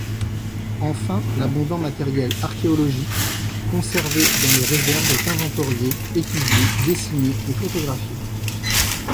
Enfin, l'abondant matériel archéologique conservé dans les réserves est inventorié, étudié, dessiné et photographié.